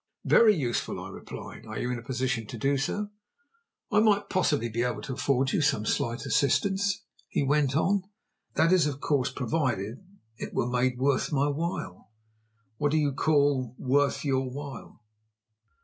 "Very useful," I replied. "Are you in a position to do so?" "I might possibly be able to afford you some slight assistance," he went on. "That is, of course, provided it were made worth my while." "What do you call 'worth your while'?"